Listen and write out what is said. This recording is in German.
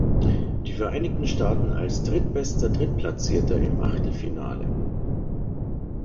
Die Vereinigten Staaten als drittbester Drittplatzierter im Achtelfinale.